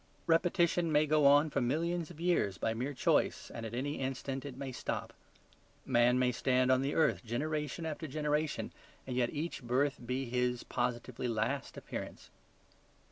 Repetition may go on for millions of years, by mere choice, and at any instant it may stop. Man may stand on the earth generation after generation, and yet each birth be his positively last appearance.